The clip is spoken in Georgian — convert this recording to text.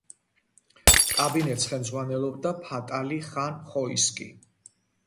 კაბინეტს ხელმძღვანელობდა ფატალი ხან ხოისკი.